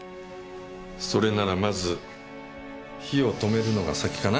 それならまず火を止めるのが先かな。